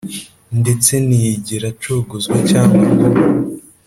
ndetse ntiyigera acogozwa cyangwa ngo